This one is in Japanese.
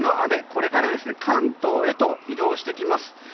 これから関東へと移動してきます。